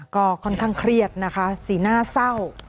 ก็ค่อนข้างเครียดนะคะสีหน้าเศร้า